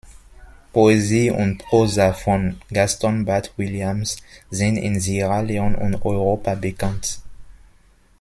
Poesie und Prosa von Gaston Bart-Williams sind in Sierra Leone und Europa bekannt.